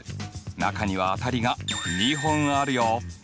中には当たりが２本あるよ。